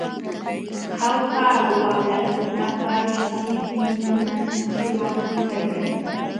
Jauja wamlakunapa sirpinkuna shumaq pukallam.